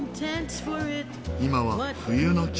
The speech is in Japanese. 今は冬の季節。